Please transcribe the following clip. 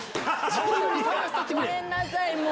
ごめんなさい、もう。